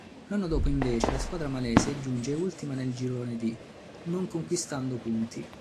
L'anno dopo invece la squadra malese giunge ultima nel girone D, non conquistando punti.